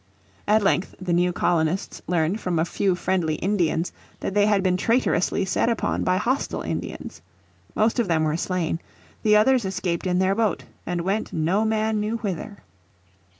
At length the new colonists learned from a few friendly Indians that they had been traitorously set upon by hostile Indians. Most of them were slain; the others escaped in their boat and went no man knew whither.